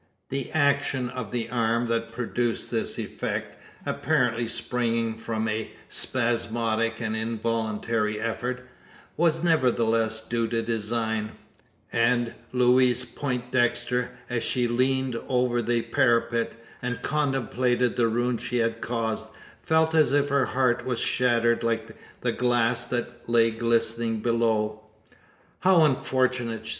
The action of the arm that produced this effect, apparently springing from a spasmodic and involuntary effort, was nevertheless due to design; and Louise Poindexter, as she leant over the parapet, and contemplated the ruin she had caused, felt as if her heart was shattered like the glass that lay glistening below! "How unfortunate!"